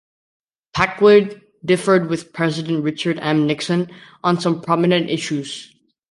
Packwood differed with President Richard M. Nixon on some prominent issues.